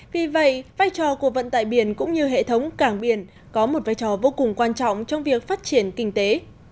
vì vậy vai trò của vận tải biển cũng như hệ thống cảng biển có một vai trò vô cùng quan trọng trong việc phát triển kinh tế